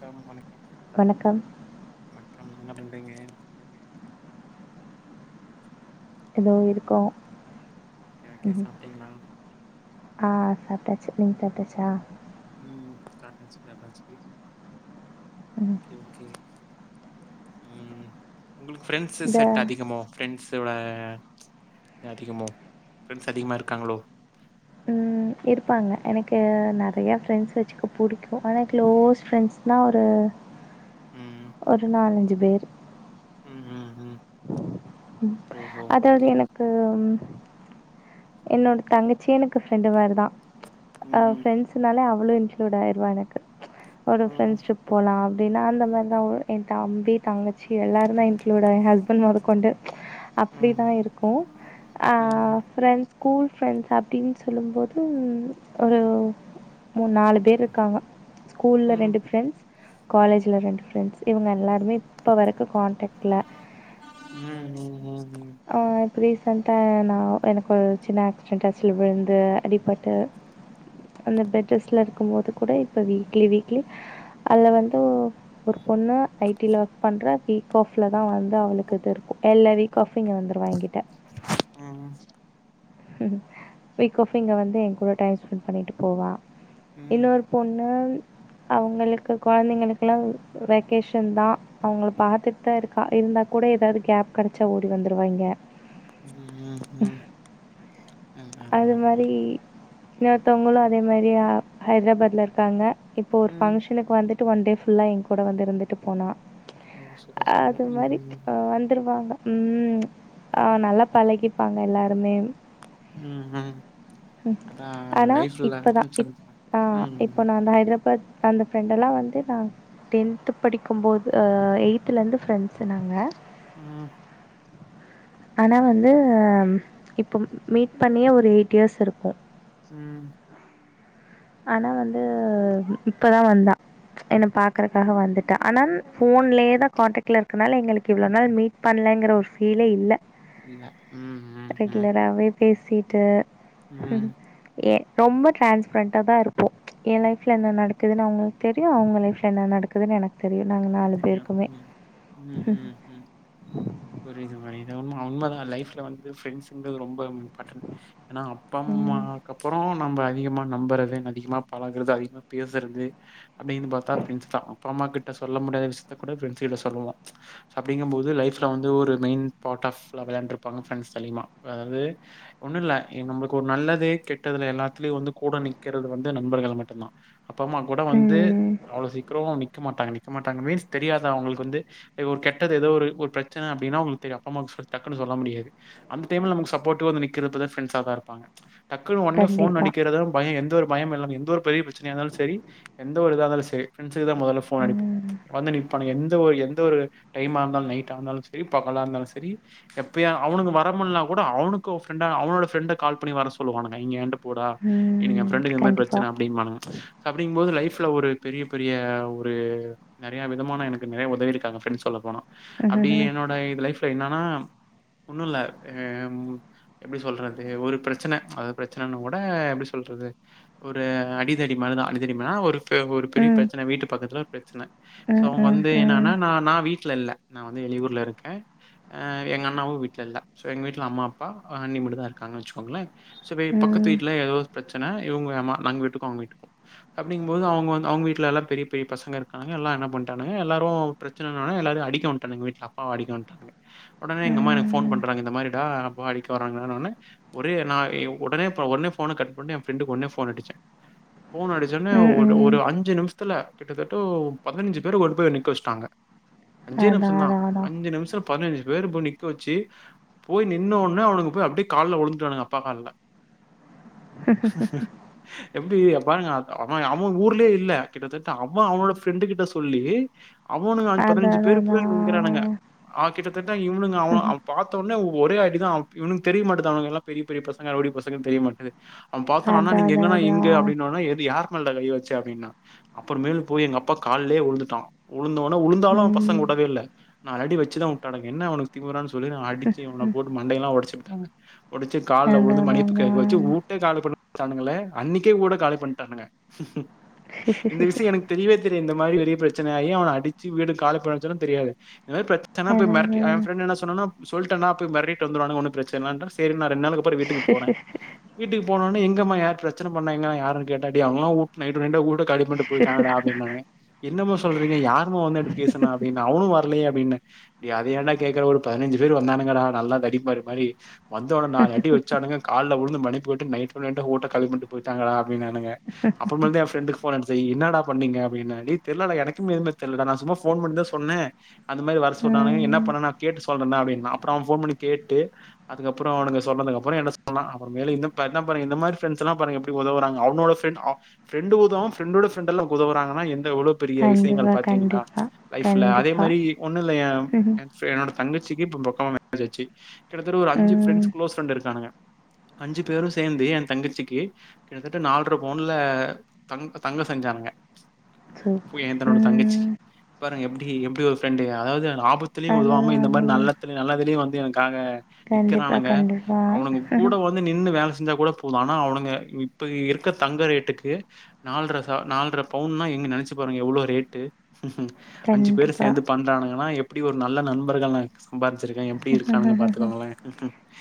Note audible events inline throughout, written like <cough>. Come வணக் வணக்கம் கம் என்ன பண்றீங்க எதோ இருக்கோ ஓகே ஓகே சாப்டீங்ளா ஆ சாப்டாச்சு நீங் சாப்டாச்சா ம் சாப்டாச்சி சாப்டாச்சி ம். ஓகே ஓகே ம் உங்களுக்கு ஃப்ரெண்ட்ஸ் இந்த செட் அதிகமோ ஃப்ரெண்ட்ஸோட அ ப்ச் அதிகமோ ஃப்ரண்டஸ் அதிகமா இருக்காங்ளோ அ இருப்பாங்க எனக்கு நெறையா ஃப்ரெண்ட்ஸ் வச்சுக்க புடிக்கு ஆனா க்ளோஸ் ஃப்ரெண்ட்ஸ் என்னா ஒரு ம் ஒரு நாலஞ்சு பேரு ம் ம் ம் ம் ஓஹோ அதாவது ஓகே எனக்கு என்னோட தங்கச்சியே எனக்கு ஃப்ரெண்டு மாரி தா ம் அஹ ம் ஃப்ரெண்ட்ஸ்னால அ அவ்ளே இன்குளூட் ஆயிருவா எனக்கு ஒரு ம் ஃப்ரண்ட்ஷிப் போலா அப்டினா அந்த மாரி தா ஆவு எ தம்பி தங்கச்சி எல்லாரு தா இன்குளுடே ஹஸ்பண் மொதக் கொண்டு அப்டிதா ம் இருக்கு அ ம் ஃப்ரெண்ட்ஸ் கூல் ஃப்ரெண்ட்ஸ் அப்டின் சொல்லு போது ஒரு மூ நாலு பேர் இர்க்காங்க ஸ்கூல்ல ம் ரெண்டு ஃப்ரெண்ட்ஸ் காலேஜ்ல ரெண்டு ஃப்ரெண்ட்ஸ் இவுங்க ம் ம் எல்லாருமே இப்ப வரைக்கு கான்டக்ட்ல ம் ம் ம் ஆ ரீசன்ட்டா நா எனக்கு ஒரு சின்ன ஆக்சிடெண்ட் ஆச்சில்ல விழுந்து அடிப்பட்டு அந்த பெட் ரெஸ்ட்ல இருக்கு போது கூட இப்போ வீக்லி வீக்லி அதுல வந்து ஒரு பொண்ணு ஐடி ல ஒர்க் பண்றா வீக் ஆப்ல தா வந்து அவளுக்கு இது இருக்கு எல்ல வீக்காஃப் இங்க வந்துருவா எ கிட்ட ம் ம் வீக் ஆப் இங்க வந்து எ கூட டைம் ஸ்பென் பண்ணிட்டு போவா இன்னொரு பொண்ணு அ உவங்களுக்கு கொழந்தைங்களுக்குலா வெகேஷன் தா அவுங்க பாத்துட் தான் இருக்கா இருந்தா கூட எதா எதாது கேப் கெடச்சா ஓடி வந்துருவா இங்க ம் ம் ம் அது மாரி இன்னொருதவுங்களு அதே மாரி அ ஹைதிராபாத்ல இருக்காங்க இப்போ ஒரு ம் ஃபங்க்ஷனுக்கு வந்துட் டு வன் டே ஃபுல்லா எங் கூட வந்து இருந்துட்டு போனா ஓ சூப்பர் சூப்பர் அது ம் மாரி ம் அ வந்துருவாங்க ம் அ நல்லா பழகிப்பாங்க எல்லாருமே ம் ஹ்ம் ம் ஆனா இப்பதா இப் சொல்லுங்க அ ம் இப்போ நா அந்த ஹைட்ராபாத் அந்த ஃப்ரெண்டெல்லா வந்து நா டென்த்து படிக்கும்போது அஹ் எய்த்துலிந்து ஃப்ரெண்ட்ஸு நாங்க ம் ஆனா வந்து அஹ்ம் இப் பம் மீட் பண்ணியே ஒரு எயிட் இயர்ஸ் இருக்கு ம் ஆனா வந்து இப்பதா வந்தா என்ன பாக்கறக்காக வந்துட்டா ஆனான் ஃபோன்லயே தா கண்டக்ட்ல இருக்கனால எங்களுக்கு இவ்ளோ நாள் மீட் பண் லங்குற ஒரு ஃபீலே இல்ல இல்ல ம் ம் ம் கிண்டலாவே பேசீட்டு ம் ஏ ரொம்போ ட்ரான்ஸ்பரண்ட்டா தா இருப்போ என் லைஃப்ல என்ன நடக்குதுன்னு அவுங்களுக்கு தெரியு அவுங்க லைஃப்ல என்ன நடக்குதுன்னு எனக்கு தெர் தெரியு ம் ம் ம் ம் புரிது மாரி இது உண்ம உண்ம தா லைஃப்ல வந் ஃப்ரெண்ட்சுன்றது ரொம்ப இம்பார்டணாட் ஏன்னா ம் அப்பம்மாக்கப்பறோ நம்ப அதிக நம்பறது அதிகமா பழகறது அதிகமா பேசறது அப்படின்னு பாத்தா ஃப்ரெண்ட்சு தா அப்பாம்மா கிட்ட சொ சொல்ல முடியாத விஷ்யத்த கூட ஃபிரெண்ட்ஸ்கிடாட சொல்லலா அப்டிங்கம்போது லைஃப்ல வந்து மெயின் பார்டாஃப் <unintelligible> இருப்பாங்க ஃப்ரென்ஸ்ட்ட அதிகமா அதாவது ஒண்ணுல்ல நம்மளுக்கு ஒரு நல்லது கெட்டதுல எல்லாத்லயு வந்து கூ கூட நிக்கிறது வந்து நண்பர்கள் மட்டுந்தா அப்பாம்மா கூட வந்து ம் அவ்ளோ சீக்கரோ நிக்க மாட்டாங்க நிக்க மாட்டாங்க மீன்ஸ் தெரியாத அவங்களுக்கு வந்து ஓர் கெட்டது எதோ ஒரு ஒர் ப்ரெச்சன அப்டின்னா அவுங்களுக்கு தெரியு அப்பாம்மாக் சொ டக்குனு சொ சொல்ல முடியாது அந்த டைம்ல நமக்கு சப்போர்டிவா வந்து நிக்கிறப்பதா ஃப்ரெண்ட்சா தா இருப்பாங்க டக்குனு ஒட்னே ஃபோன் கண்டிப்பாக அடிக்கிறதா பயோ எந்த ஒரு பயமில்லாம எந்த ஒரு பெரிய ப்ரெச்சனயாந்தாலு செரி எந்த ஒரு இதா இருந்தாலு செ ஃப்ரெண்ட்ஸுக்கு தா மொதல்ல ஃபோன் அடிப் ம் வந்து நிப்பானுங்க எந்த ஒரு எந்த ஒரு டைம்மா இருந்தாலு நைட்டானாலு சரி பகலார்ந்தாலூ சரி எப்பயா அவுங் அவனுங்க வரமுல்லனா கூட அவனுக்கு ஒரு ஃப்ரெண்டா அவனோட ஃப்ரெண்ட கால் பண்ணி வர சொல்லுவானுங்க இங்க போடா இன்னிக்கு என் ம் ஃபிரண்ட்க்கு இதுமாறி கண்டிப்பாக ப்ரெச்சன அப்டின்பானுங்க அப்டிங் போது லைஃப் ஃப்ல ஒரு பெரிய பெரிய ஒரு நறையா விதமான எனக்கு நறைய உதவிருக்காங்க ஃப்ரெண்ட்ஸ் சொல்ல போனா அப்டி ம் என்னோட இது லைஃப்ல என்னானா ஒன்னுல்ல எம் எப்டி சொல்றது ஒரு ப்ரெச்சன அது ப்ரெச்சனனோட எப்டி சொல்ற து ஒரு அடிதடி மாறிதா அடிதடி மாறினா ஒரு ப ஒரு பெரிய ம் ப்ரெச்சன வீட்டு பக்கத்துல ஒரு ப்ரெச்சன சோ ம் அவுங்க ம் வந்து ம் என்னான்னா நா நா வீ ட்ல இல்ல நா வந்து வெளியூர்ல இருக்க எங்கண்ணாவு வீட்ல இல்ல சோ எங்க வீட்ல அம்மா அப்பா அ அன்னி மட்டுதா இருக்காங்கன்னு வச்சிக்கோங்ளே சோ வே ம் பக்கத்து வீட்ல ஏதோவது ப்ரெச்சன இவுங்க மா நங்க வீட்டுக்கு அவுங்க வீட்டுக்கு அப்டிங்போது அவுங்க வந் அவுங்க வீட்ல எல்லா பெரிய பெரிய பசங்க இருக் னாங்க எல்லா என்ன பண்டானுங்க எல்லாரு ப்ரெச்சனனோனே எல்லாரையு அடிக்க வன்ட்டானுங்க வீட்ல அப்பாவ அடிக்க வண்டானுங்க ஒடனே எங்க அம்மா எனக்கு ஃபோன் ம். பண்றாங்க இந்த மாரி டா அப்பாவ அடிக்க வராங்கனோனே ஒரே நா இ ஒடனே போ ஒடனே ஃபோன கட் ஒட்னே என் ஃப்ரெண்டுக்கு ஒட்னே ஃபோன் அடிச்ச போன அடிச்சோனே ஒரு ம்ஹ்ம். ஒரு அஞ்சு நிம்ஸ்த்துல கிட்டத்தட் டு பதனஞ்சு பேரு கொண்டு போய் நிக்க வெச்ட்டாங்க அஞ்சே அதான், நிம்ஷந்தா அதான், அஞ்சு நிம்ஷ பதினஞ்சு பேரு இப்போ நிக்க வச்சு போய் நின்னனோடனே அவனுங்க போய் அப்டியே கால்ல விழுந்துட்டானுங்க அப்பா கால்ல எப்டி பாருங்க அவ அவ ஊர்லயே இல்லை கிட்டத்தட்ட அ அவ அவனோட ஃப்ரெண்டு கிட்ட சொல்லி அவனுங்க அதான். பதினஞ்சு அதான், பேரு அதான், போய்ங்கிறானுங்க ஆ கிட்டத்தட்ட இவனுங்க அவ அவ பாத்த ஒனே ஒரே அடிதா இவனுக்கு தெரிய மாட்டுது அவனுங்கல்லா பெரிய பெரிய பசங்க ரவுடி பசங்கனு தெரிய மாட்டது அவன் அதான். பாத்தனோன அதான், நீங்க அதான், எங்கனா இங்க அதான். அப்டின்னோன எது யாரு மேல டா கைய வச்ச அப்டின்னா அப்புறமேலு போய் எங்க அப்பா கால்லே உழுந்துட்டா உழுந்தவுடனே உழுந்தாலு பசங்க ம். உடவேயில்ல நாலு அடி வச்சுதா விட்டா உனக்கு என்ன உனக்கு திமுறான்னு சொல்லி அடிச்சு அவன போட்டு மண்டையெல்லா ஒடச்சுபுட்டாங்க ஒடச்சு கால்ல உழுந்து அதான், மன்னிப்பு கேக்க வச்சு அதான், ஊட்டயே காலி பண் டானுங்களே அன்னைக்கே ஊட காலி பண்டானுங்க இந்த அதான். விசய எனக்கு தெரியவே தெரிய இந்த மாரி பெரிய பிரச்சனை ஆகி அவன அடிச்சு வீடு காலி பண்ண வச்சது தெரியாது ஏதாது பிரச்சனை போய் அதான், மிரட்டி எ அதான், அதான். ஃபிரண்டு என்ன சொன்னான சொல்ட்டன போய் மெரட்டிட்டு வந்துடுவானுங்க ஒன்னு பிரச்சனை வேண்டா சேரினு நா ரெண்டு நாளு ப்பர் வீட்டுக்கு போறே வீட்டுக்கு போன்னவொனே எங் எங்கம்மா யார் பிரச்சனை பண்ணாங்களா யாருனு கேட்ட டேய் அவங்களா வு நைட்டுடோட நைட்டா வூட்ட காலி பண்ணிட்டு போயிட்டாங்காடா அப்பிடின்னாங்க என்னமா சொல்றீங்க யாருமா வந்து அப்டி பேசுனா அப்டின்ன அவனு வரலயே அப்டின்ன டேய் அத ஏன்டா கேக்குற ஒரு பதினஞ்சு பேரு வந்தானுங்க டா நல்லா தடி மாடு மாரி வந்தவுன நாலு அடி வச்சானுங்க கால்ல உழு ந்து மன்னிப்பு கேட்டு நைட்டோட நைட்ட வூட்ட காலி பண்ணிட்டு போயிடாங்கடா அப்டினானுங்க அப்புற மேல்தா ஏ ஃபிரண்டுக்கு போன் டே என்னடா பண்ணீங்க அப்டின்ன டேய் தெரில டா எனக்குமே எதுமே தெரிலடா நா சும்மா போன் பண்ணி தா சொன்னே அந்தமாறி வரசொ நானு என்ன ம். பண்ணுனா கேட்டு சொல்றேண்ணா அப்டின்னா அப்புற அவ போன் பண்ணி கேட்டு அதுக்கப்புற அவனுங்க சொன்னதுகப்புறோ ஏ சொன்னா அப்புறமேலு இதா பாருங்க இதமாரி ஃபிரண்ட்ஸ் எல்லா பாருங்க எப்டி உதவுறாங்கனு அவனோட ஃப்ரண்டு ஆ ஃப்ரண்டுடோ ஃப்ரெண்டோட ஃப்ரண்டெல்லா உதவுறாங்கான என் எவ்வளவு பெரிய விஷயங்கள் கண்டிப்பா, பாத்தீங்களா கண்டிப்பா, லைஃப்ல அதே கண்டிப்பா. மாரி ஒன்னு இல்ல ஏ ஃபி என்னோட தங்கச் சுக்கு <unintelligible> மேரேஜ் ஆச்சு கிட்டதட்ட ஒரு அஞ்சு ம். ஃபிரண்ட்ஸ் க்ளோஸ் ஃபிரண்ட்ஸ் இருக்காங்க அஞ்சு பேரு சேந்து ஏ தங்கச்சிக்கு கிட்டத்தட்ட நால்ர பவுன்ல தங்க தங்க செஞ்சானுங்க சூப்பர். போய் எ தன்னோட தங்கச்சிக்கு ம். பாருங்க எப்டி எப்டி ஒரு ஃப்ரெண்டு அதாவது ஒரு ஆப் ஆபத்துலயு உதவாம அதுதான், இந்த மாரி அதுதான். நல்லத்துல நல்லதுலயு வந்து எனக்காக கண்டிப்பா, நிக்கிறானுங்க கண்டிப்பா. அவனுங்க கூட வந்து நின்னு வேல செ ஞ்சா கூட போது ஆனா அவனுங்க இப்ப இருக்க தங்க ரேட்டுக்கு நால்ட்ர ச நால்ர பவுண்னா எங்க நெனச்சி பாருங்க எவ்ளோ ரேட்டு அஞ்சு பேரு கண்டிப்பா. சேந்து பண்றாங்கன்னா எப்டி ஒர் நல்ல நண்பர்கள் நாங்க சம்பார்ச் இருக்க எப்டி இருக்கானுங்க பாத்துக்கோங்லே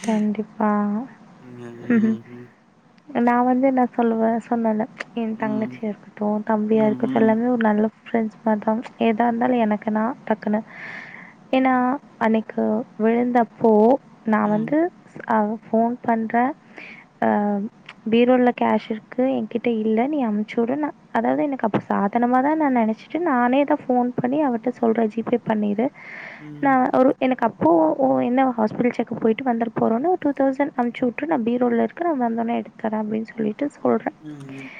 கண்டிப்பா. ம் ம் ம் ங்க நா வந்து என்னா சொல்லுவ சொன்னவொனே எ ம் தங்கச்சியா இருக்கட்டு தம்பியா ம் இருக்கட்டு ம். எல்லாமே ஒர் நல்ல ஃப்ரெண்ட்ஸ் மார்தா எதா இருந்தாலு எனக்கு நா டக்குனு ஏன்னா அன்னிக்கு விழுந்தப்போ நா ம் வந்து அ ஃபோன் பண்ற அ பீரோல கேஷிர்க்கு எங்கிட்ட இல்ல நீ அம்ச்சுடு நா அதாவது எனக்கு அப்ச சாதனமா தா நா நெனச்சிட்டு நானே தா ஃபோன் பண்ணி அவட்ட சொல்ற ஜீபே பண்ணிரு நா ம் ஒரு எனக் ப்போ ஓ என்ன ஹாஸ்பிடல் செக்கப் போய்ட்டு வந்தற் போறோன்னு ஒர் டூ தௌசண் அம்ச்சி வுட்றுங்க பீரோவ்ல இக்கர வந்தொனே எடுத்தற அப்டின் சொல்லிட்டு சொல்றே ம்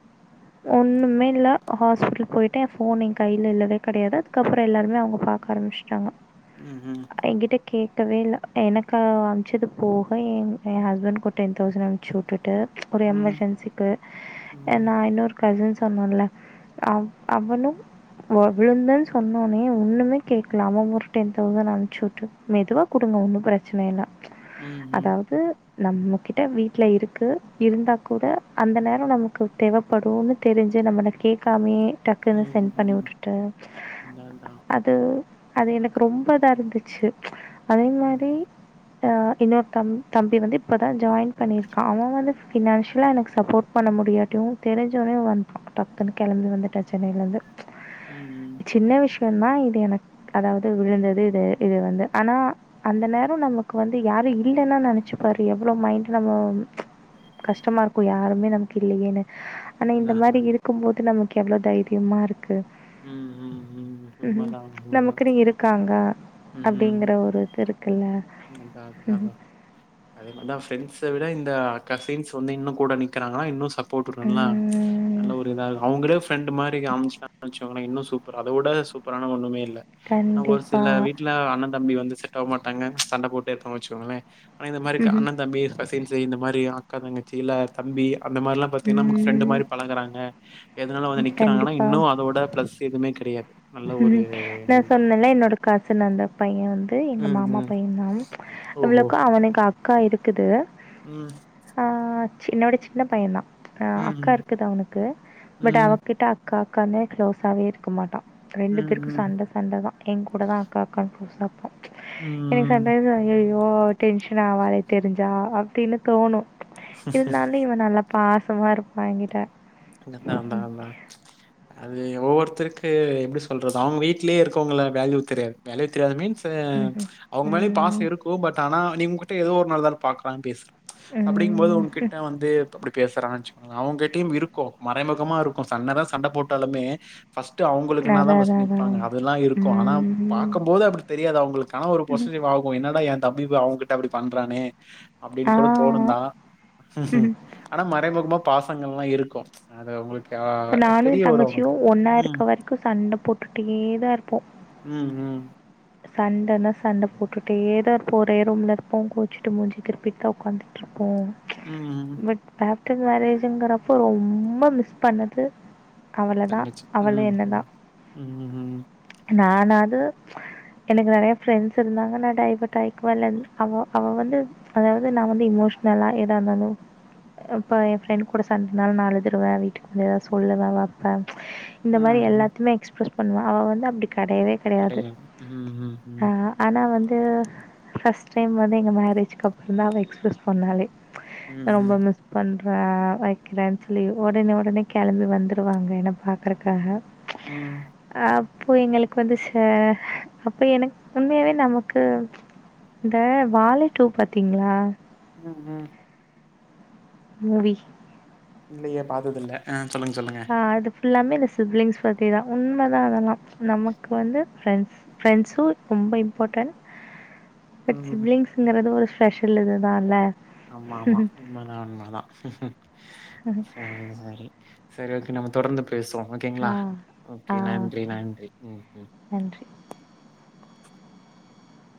<inaudible> ஒன்னுமே இல்ல ஹாஸ்பிட்டல் போய்ட்டே ஃபோன் எங் கைல இல்லவே கெடயாது அதுக்கப்புற எல்லாருமெ அவங்க பாக்கர முஷ்டாங்கொ ம் ம் எங்கிட்ட கேக்கவே இல்ல எனக்கு அம்ச்சது போக என் ஏ ஹஸ்பண்ட் ஒர் டென் தௌசண்ட் அம் சுட்டுட்டு ஒரு ம் எமெர்ஜென்சிக்கு என்னா இன்னொர்க் கசின் சொன்னுல்ல அவ் அவனும் வொ விழுந்தன் சொன்னோனே ஒண்ணுமே கேட்ல ஒர் டென் தௌசண் அன் சுட்டு மெதுவா குடுங்க ஒண்ணு பிரச்சன இல்ல ம் ம் அதாவ்து நம்மகிட்ட வீட்ல இருக்கு இருந்தா கூட அந்த நேர நமக்கு தேவப்படுன்னு தெரிஞ் சு நம்மள கேட்காமயே டக்குனு சென்ட் பண்ணி ம் வுட்டுட்டு அதா அதா அது அது எனக்கு ரொம்ப இதாருந்து ச்சு அதே ம் மாரி அ இன்னோர் தம் தம்பி வந்து இப்பதா ஜாய்ன் பண்ணிர்க்கா அவ வந்து ஃபினான்ஷிலா எனக்கு சப்போர்ட் பண்ண மு முடியாட்டியு தெரிஞ்சொட்னே வன்டா டக்குனு கெளம்பி வந்துட்டா சென்னைலந்து ம் ம் டன்னா இது எனக் அதாவது விழுந்தது இது இது வந்து ஆனா அந்த நே நமக்கு வந்து யாரு இல்லன்னா நெனச்சி பாரு எவ்ளோ மைண்டு நம்மோ கஷ்டமாருக்கு யாருமே நமக் இல்லயேனு ஆனா இந்த அதா அதா மாரி இருக்கும் போது நமக் எவ்ளோ தைரிய்மா இருக் க்கு ம் ம் ம் உண்மதா உண்மதா நமக்குனு இருக்காங்க அப்டிங்கற ம் ஒரு இதிருக்கிள் அதா அதா அதே மாரிதா பிரண்ட்ஸ விட இந்த கசின்ஸ் வந்து இன்னு கூட நிக்கிறாங்னா இன்னு சப் போட்டுட்றல்ல ம். அந்த ஒரு இதா இரு அவ்ங்களே ஃப்ரெண்டு மாரி அம்ச்சா அம்ச் ஆனா இன்னு சூப்பரா அத விட சூப்பரான ஒண்ணமே இல்ல ஆனா ஒரு கண்டிப்பா. சில வீட்ல அண்ண தம்பி வந்து செ தவ் மாட்டாங்க சண்ட போட்டே இர்ப்பாங்க வச்சுக்கோங்ளே ஆனா இது மாரி க ம்ஹ்ம். அண்ணந் தம்பி கசின்ஸு இந்த மாரி அ அக்கா தங்கச்சி இல்ல தம்பி அந்த மாரிலா பாத்தீங்னா நம்க்கு ஃப்ரெண்டு ம். மாரி பழகறாங்க எதுநாலு வந்து நிக்கிறாங்கன்னா கண்டிப்பா. இன்னு அதோட பிளஸ் எதுவ்மே கெடையாது ம் நா சொன்னேல்ல என்னோட கசன் அந்த பைய வந்து எங்க ம், மாமா ம். பைய்ந்தா ம் ஓஹோ! இவ்ளோக்கு அவனுக்கு அக்கா இருக்குது ம் சி என்னவிட சின்ன பையந்தாஆ ம், அக்கா ம், இருக்குது அவ்னுக்கு பட் ம், அவகிட்ட அக்கா க்காந்நே க்ளோஸாவே இருக்க மாட்டா ம், ரெண்டு பேருக்கு ம், சண்ட சண்டதா எங்கூட தா அக்கா அக்கான் க்ளோஸா எனக் சம் ம். டைம்ஸ் ஐயய்யோ டென்ஷன் ஆவாலே தெரிஞ்சா அப்டின்னு தோணு இருந்தாலு இவ நல்லா பாசமா இருப்பா எங்கிட்ட நாதாதா ஆ அது ஒவ்வொருத்தருக்கு எப்டி சொல்றது அவங்க வீடிலேயே இருக்கவங்கள வேல்யூ தெரியாது வேல்யூ தெரியாது மீன்ஸ் அ ம் அவங்க மேலயு பாச ம் இருக்கு பட் ஆனா நீ உங்ககிட்ட ஏதோ ஒரு நாள்தா பாக்றா பேசு அப்டிங்போது ம் ம் உங்ககிட்ட வந்து அப்டி பேசுறா வச்சுக்கங்களே அவங்ககிட்டையு இரு க்கு மறைமுகமா இருக்கு சண்டதா சண்ட போட்டாலுமே பர்ஸ்ட்டு அவுங்களுக்குனாதா அதான் ஃபர்ஸ்ட் அதான் அதான் நிப்பாங்க அதெல்லா இருக்கு ஆனா ம் பாக்கும்போது அப்படி தெரியாது அவங்களுக்கானா ஒரு ம் பொச ஆகு என்னடா எ தம்பி போய் அவகிட்ட அப்டி பண்றானே ஆ அப்டின்னு கூட தோணுந்தா ஆனா மறைமுகமா பாசங்கள் லா இருக்கு அத உங்களுக்கு ஆ இப்ப நானு எ தெரிய வரு தங்கச்சியு உங்களுக்கு ஒன்னா இருக்க ம் வரைக்கு சண்ட போட்டுட்டேதா இருப்போ ம் ம் சண்டன்னா சண்ட போட்டுட்டேதா இருப்போ ஒரே ரூம்ல இருப்போ கூச்சிட்டு மூஞ்சி திருப்பிட்டு தா உக்காந்துற்றுப் போ ம் ம் ஆப்டர் மேரேஜ்ங்குறப்போ ரொம்ப மிஸ் பண்ண து அவளதா தங்கச்சி அவள ம் என்னதா ம் ம் ம் நானாது எனக்கு நெறைய ரெண்ட்ஸ் இருந்தாங்க <unintelligible> அவ அவ வந்து அதாவது நா வந்து எமோஷனல் நல்லா எதா இருந்தாலு இப்போ ஏ ஃப்ரெண்ட் கூட சண்டனாலு நா அழுதுருவே வீட்டுக் த சொல்லுவ வப்பே இந்த மாரி ம் ம் எல்லாத்தமே எக்ஸ்பிரஸ் பண்ணுவ அவ வந்து அப்டி கெடையவே கெடையாது கிடையாது ம் ம் ஆ ம் ஆனா வந் து ஃபர்ஸ்ட் டைம் வந்து எங்க மேரேஜ்கக்கு அப்புறந்தா அவள் எக்ஸ்போஸ் பண்ணாலே ம் ரொம்ப ம் மிஸ் பண்றே வைக்கிறே சொல்லி ஒடனே ஒடனே கெளம்பி வந்துருவாங்க என்ன பாக்கறக்காக ம் ப்போ எங்களுக்கு வந்து ச அப்ப எனக்கு உண்மையாவே நமக்கு இந்த வாழை டூ பாத்தீங்களா ம் ம் மூவி இல்லையே பாத்ததுல்ல ஆ சொல்லுங்க சொல்லுங்க எல்லாமே இந்த சிப்லிங்ஸ் பத்தி தா உண்மைதா அதெல்லா நமக்கு வந்து ஃரெண்ட்ஸு ரொம்ப ரொம்ப இம்பார்டன் <inaudible> பட் ம் சிப்லிங்ஸ்ங்கறது ஒரு ஸ்பெஷல் இதுதா இல்ல ஆமா ஆமா உண்மதா உண்மதா சரி சரி சரி ஓக் கே நம்ம தொடர்ந்து பேசுவோ ஓகேங்களா ஆ, ஆ ஓகே நன்றி ஓகே. நன்றி ம் ம் நன்றி.